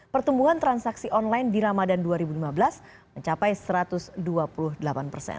pertumbuhan transaksi online di ramadan dua ribu lima belas mencapai satu ratus dua puluh delapan persen